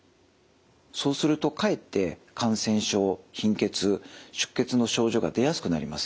そうするとかえって感染症貧血出血の症状が出やすくなります。